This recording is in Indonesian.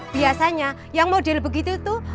biasanya yang model begitu itu